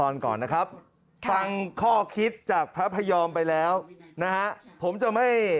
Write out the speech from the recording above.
น่าจะเรียกไม่ได้